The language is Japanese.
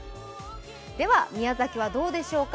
では宮崎はどうでしょうか。